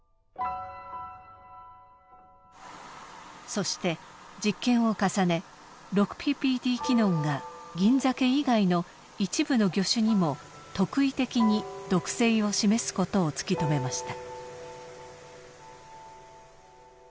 そして実験を重ね６ＰＰＤ−キノンがギンザケ以外の一部の魚種にも特異的に毒性を示すことを突き止めました。